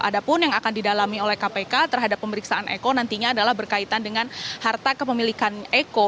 ada pun yang akan didalami oleh kpk terhadap pemeriksaan eko nantinya adalah berkaitan dengan harta kepemilikan eko